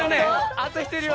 あと１人は？